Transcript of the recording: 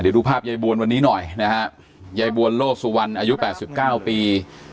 เดี๋ยวดูภาพใยบวลวันนี้หน่อยใยบวลโลกสุวรรณอายุ๘๙ปี